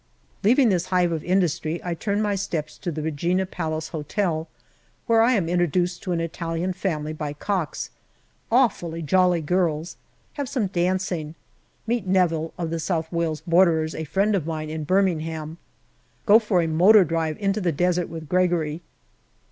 Leaving this hive of industry, I turn my steps to the Regina Palace Hotel, where I am introduced to an Italian family by Cox. Awfully jolly girls. Have some dancing. Meet Neville, of South Wales Borderers, a friend of mine in Birmingham. Go for motor drive into the desert with Gregory.